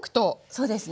そうですね。